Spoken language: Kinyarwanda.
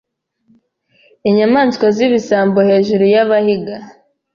inyamanswa zibisambo hejuru yabahiga